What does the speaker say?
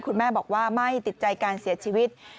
คุณแม่บอกว่าไม่ติดใจการเสียชีวิต